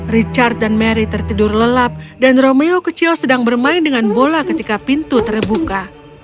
richard dan mary tertidur lelap dan romeo kecil sedang bermain dengan bola ketika pintu terbuka